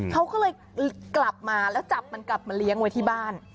เขาก็เลยกลับมาแล้วจับมันกลับมาเลี้ยงไว้ที่บ้าน